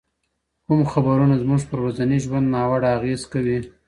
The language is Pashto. کوم خبرونه زموږ پر ورځني ژوند ناوړه اغېز کوي؟